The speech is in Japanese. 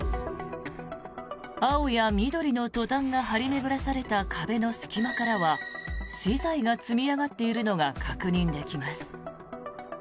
青や緑のトタンが張り巡らされた壁の隙間からは資材が積み上がっているのが確認できます。